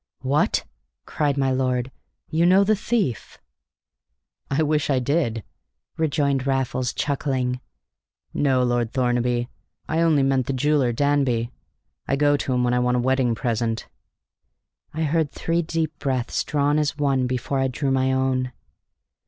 "What!" cried my lord. "You know the thief?" "I wish I did," rejoined Raffles, chuckling. "No, Lord Thornaby, I only meant the jeweller, Danby. I go to him when I want a wedding present." I heard three deep breaths drawn as one before I drew my own.